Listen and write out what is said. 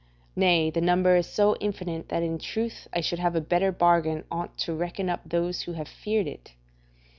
Nay, the number is so infinite that in truth I should have a better bargain on't to reckon up those who have feared it.